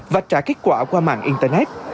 và trả kết quả qua mạng internet